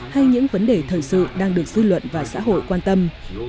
hay những vấn đề thời sự đang được dư luận và xã hội quan tâm